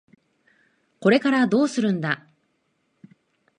これからどうするんだ？